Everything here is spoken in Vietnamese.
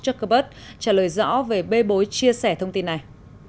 zuckerberg trả lời rõ về bê bối chia sẻ thông tin này